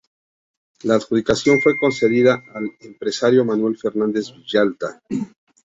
La adjudicación fue concedida al empresario Manuel Fernández Villalta.